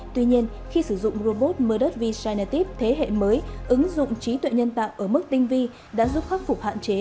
tuy nhiên khi sử dụng robot mirdot v signative thế hệ mới ứng dụng trí tuệ nhân tạo ở mức tinh vi đã giúp khắc phục hạn chế